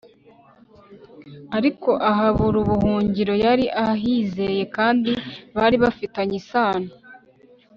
ariko ahabura ubuhungiro yari ahizeye kandi bari bafitanye isano